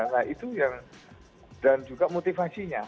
nah itu yang dan juga motivasinya